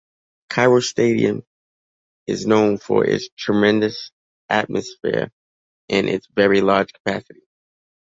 Cairo Stadium is known for its tremendous atmosphere and its very large capacity.